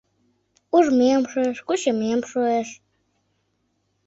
Ужмем шуэш, кучымем шуэш.